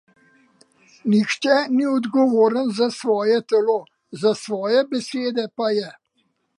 Nihče ni odgovoren za svoje telo, za svoje besede pa je.